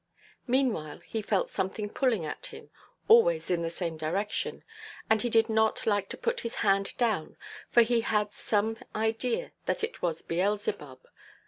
Meanwhile, he felt something pulling at him, always in the same direction, and he did not like to put his hand down, for he had some idea that it was Beelzebub.